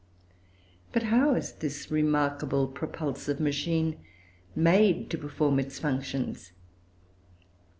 But how is this remarkable propulsive machine made to perform its functions?